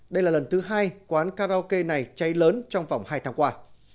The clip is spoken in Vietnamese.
đây là lần thứ hai quán karaoke này cháy lớn trong vòng hai tháng qua